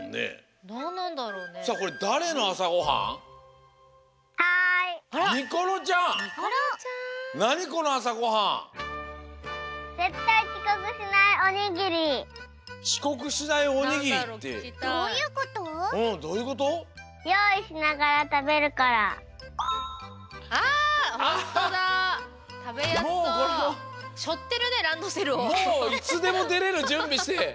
もういつでもでれるじゅんびして。